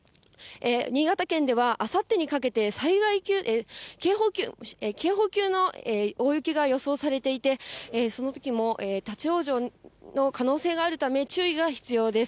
新潟県ではあさってにかけて、警報級の大雪が予想されていて、そのときも、立往生の可能性があるため、注意が必要です。